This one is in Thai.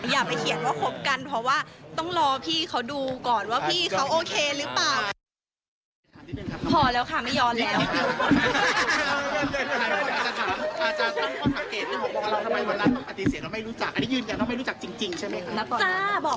อย่าไปเขียนว่าคบกันเพราะว่าต้องรอพี่เขาดูก่อนว่าพี่เขาโอเคหรือเปล่า